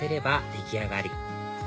出来上がり